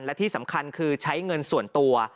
และที่สำคัญคือใช้เงินส่วนตัว